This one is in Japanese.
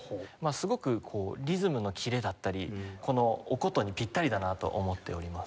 すごくリズムのキレだったりお箏にピッタリだなと思っております。